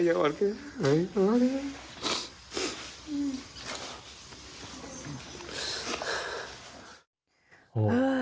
ไงก็ไม่รู้